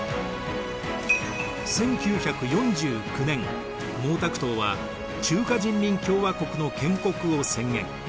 １９４９年毛沢東は中華人民共和国の建国を宣言。